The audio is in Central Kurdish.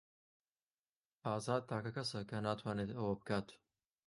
ئازاد تاکە کەسە کە ناتوانێت ئەوە بکات.